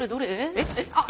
えっ？